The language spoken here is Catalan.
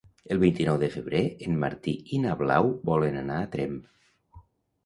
El vint-i-nou de febrer en Martí i na Blau volen anar a Tremp.